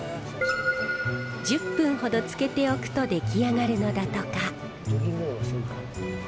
１０分ほどつけておくと出来上がるのだとか。